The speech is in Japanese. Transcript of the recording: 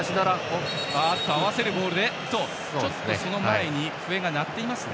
ちょっと、その前に笛が鳴っていますね。